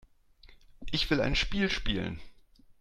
Ich will ein Spiel spielen.